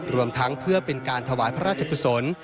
รวมทั้งเพื่อเป็นการถวายพระราชกุศล